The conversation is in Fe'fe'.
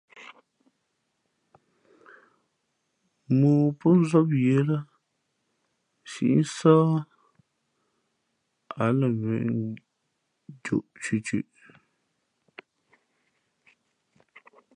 Mōō pó nzáp yə̌ lά nsī nsάh a lα imᾱnjūʼ thʉ̄thʉ̄ʼ.